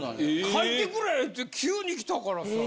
「書いてくれ！」って急に来たからさ。